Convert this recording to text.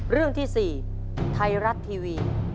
เรื่องที่๔ไทยรัฐทีวี